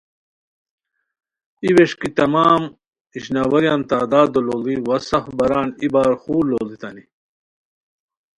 ای ووݰکی تمام اشنواریان تعدادو لوڑی وا سف باران ای بار خور لوڑیتانی